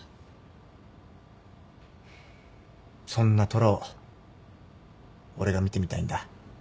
そんな虎を俺が見てみたいんだ。